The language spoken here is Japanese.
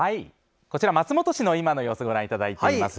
松本市の今の様子をご覧いただいています。